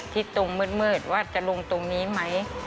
ที่ตรงมืดว่าจะลงตรงนี้ไหม